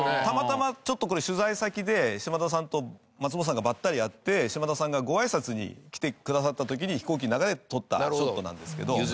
たまたまちょっとこれ取材先で島田さんと松本さんがばったり会って島田さんがごあいさつに来てくださった時に飛行機の中で撮ったショットなんですけど。